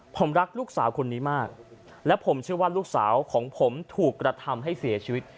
ผมรักลูกสาวคนนี้มากและผมเชื่อว่าลูกสาวของผมถูกกระทำให้เสียชีวิต